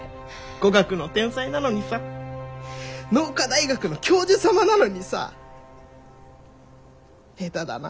語学の天才なのにさ農科大学の教授様なのにさ下手だな。